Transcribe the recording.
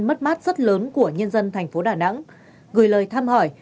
mất mát rất lớn của nhân dân thành phố đà nẵng gửi lời thăm hỏi